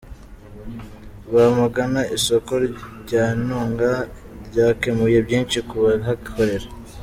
Rwamagana Isoko rya Ntunga ryakemuye byinshi ku bahakorera